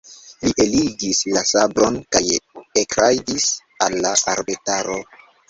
Li eligis la sabron kaj ekrajdis al la arbetaro.